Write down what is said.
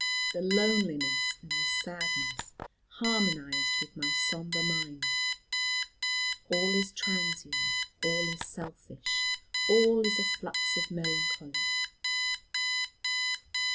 The loneliness and the sadness harmonised with my sombre mind. All is transient, all is selfish, all is a flux of melancholy.